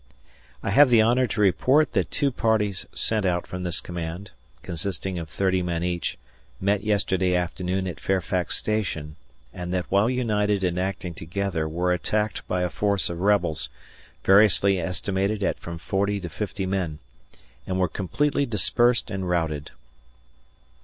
I have the honor to report that two parties sent out from this command, consisting of thirty men each, met yesterday afternoon at Fairfax Station, and that while united and acting together were attacked by a force of rebels, variously estimated at from forty to fifty men, and were completely dispersed and routed.